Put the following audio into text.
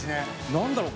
何だろう